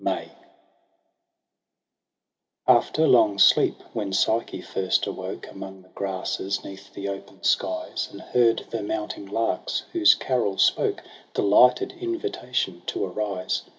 MAY I A FTER long sleep when Psyche first awoke Among the grasses "neath the open sides. And heard the mounting larks, whose carol spoke Delighted invitation to arise.